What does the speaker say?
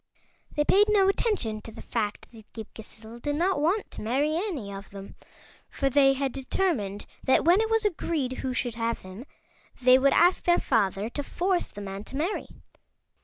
They paid no attention to the fact that Ghip Ghisizzle did not want to marry any of them, for they had determined that when it was agreed who should have him they would ask their father to force the man to marry.